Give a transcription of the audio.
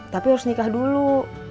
tapi harus nikah dulu